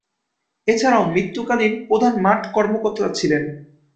এছাড়াও, মৃত্যুকালীন প্রধান মাঠ কর্মকর্তা ছিলেন।